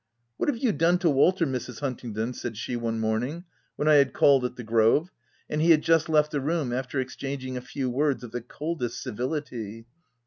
"What have you done to Walter, Mrs. Huntingdon ?" said she one morning, when I had called at the Grove, and he had just left the room after exchanging a few words of the coldest civility.